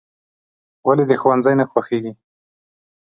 "ولې دې ښوونځی نه خوښېږي؟"